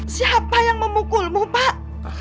siapa yang memukulmu pak